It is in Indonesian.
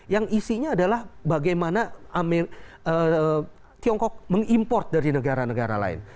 yang isinya adalah bagaimana tiongkok mengimport dari negara negara lain